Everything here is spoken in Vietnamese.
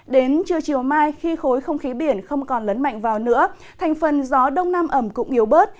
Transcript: đến trưa chiều mai khi khối không khí biển không còn lấn mạnh vào nữa thành phần gió đông nam ẩm cũng yếu bớt